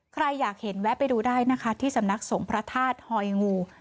ใครอยากเห็นแวะไปดูได้นะคะที่สำนักสงฆ์พระธาตุหอยงู